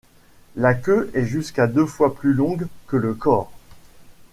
La queue est jusqu'à deux fois plus longue que le corps.